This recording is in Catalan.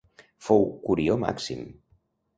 Fou Curió Màxim.